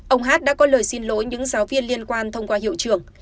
ông hát đã có lời xin lỗi những giáo viên liên quan thông qua hiệu trưởng